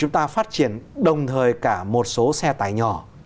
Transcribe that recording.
chúng ta phát triển đồng thời cả một số xe tải nhỏ